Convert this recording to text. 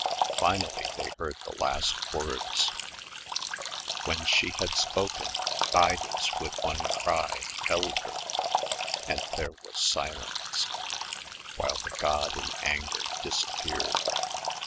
Finally they heard the last words: "When she had spoken, Idas with one cry Held her, and there was silence; while the god In anger disappeared.